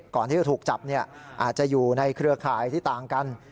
ก่อนที่จะถูกจับอาจจะอยู่ในเครือข่ายที่ต่างกัน